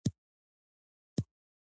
تولید شوي توکي په دوو برخو ویشل کیږي.